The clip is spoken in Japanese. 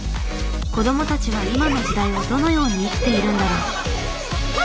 子どもたちは今の時代をどのように生きているんだろう。